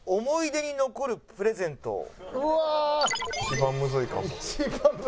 思い出に残るプレゼント？